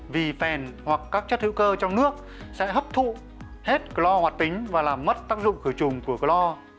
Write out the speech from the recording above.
vì phèn hoặc các chất hữu cơ trong nước sẽ hấp thụ hết chlor hoạt tính và làm mất tác dụng khử trùng của chlore